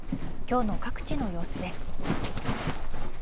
今日の各地の様子です。